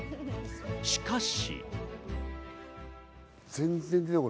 しかし。